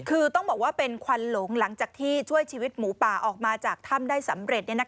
คือต้องบอกว่าเป็นควันหลงหลังจากที่ช่วยชีวิตหมูป่าออกมาจากถ้ำได้สำเร็จ